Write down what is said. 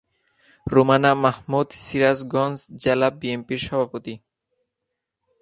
রুমানা মাহমুদ সিরাজগঞ্জ জেলা বিএনপির সভাপতি।